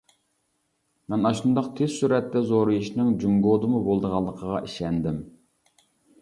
مەن ئاشۇنداق تېز سۈرئەتتە زورىيىشنىڭ جۇڭگودىمۇ بولىدىغانلىقىغا ئىشەندىم.